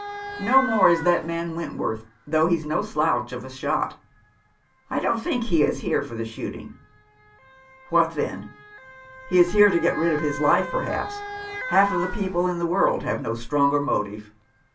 "No more is that man Wentworth's, though he's no slouch of a shot. I don't think he is here for the shooting." " What then ? He is here to get rid of his life, 329 Rough Justice. perhaps. Half of the people in the world have no stronger motive."